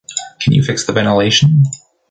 Can you fix the ventilation?